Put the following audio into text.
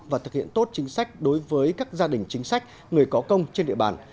và thực hiện tốt chính sách đối với các gia đình chính sách người có công trên địa bàn